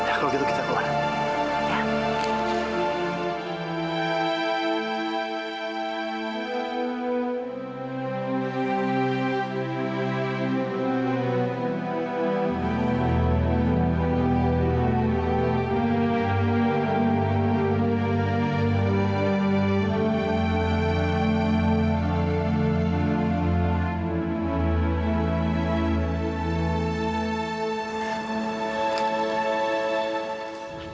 aku akan lukis akulah